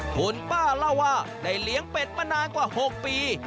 คุณป้าเล่าว่าได้เลี้ยงเป็ดมานานกว่า๖ปี